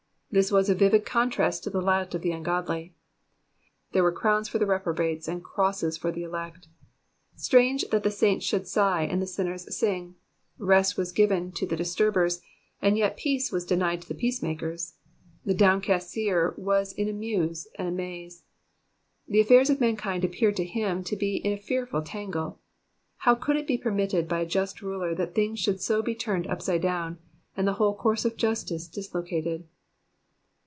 ''^ This was a vivid contrast to the lot of the ungodly. There were crowns for the reprobates and crosses for the elect. Strange that the saints should sigh and the , fiinners sing. Rest was given to the disturbers, and yet peace was denied to the peace makers. The downcast seer was in a muse and a maze. The affairs of mankind appeared to him to be in a fearful tangle ; how could it be per mitted by a just ruler that things should be so turned upside down, and the whole course of justice dislocated.